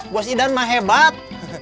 bos idan mah hebat